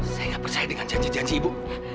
saya nggak percaya dengan janji janji ibu